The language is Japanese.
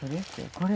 これ。